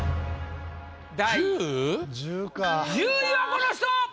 第１０位はこの人！